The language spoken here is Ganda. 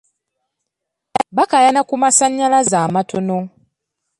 Baakayana ku masannyalaze amatono.